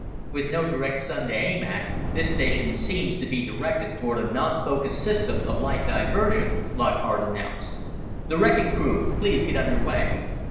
"With no direct Sun to aim at, this station seems to be directed toward a nonfocused system of light diversion," Lockhart announced. "The wrecking crew please get under way!"